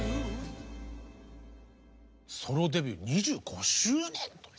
ソロデビュー２５周年と。